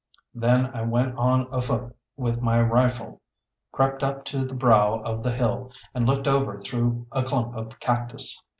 Then I went on afoot with my rifle, crept up to the brow of the hill, and looked over through a clump of cactus.